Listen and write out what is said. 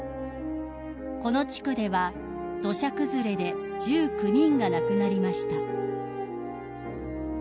［この地区では土砂崩れで１９人が亡くなりました］